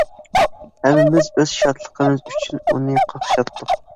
ھەممىمىز ئۆز شادلىقىمىز ئۈچۈن ئۇنى قاقشاتتۇق.